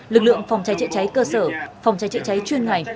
lực lượng phòng cháy chữa cháy cơ sở phòng cháy chữa cháy chuyên ngành